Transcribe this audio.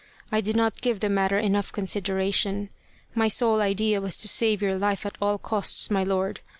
I did not give the matter enough consideration. My sole idea was to save your life at all costs, my lord